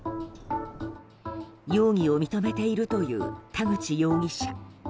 容疑を認めているという田口容疑者。